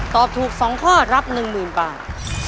ตอบถูก๒ข้อรับ๑หมื่นบาท